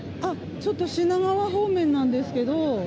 ちょっと品川方面なんですけど。